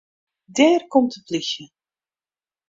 Dêr komt de plysje.